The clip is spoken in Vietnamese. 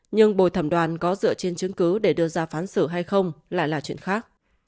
nhưng bồi thẩm đoàn có dựa trên chứng cứ để đưa ra phán xử hay không lại là chuyện khác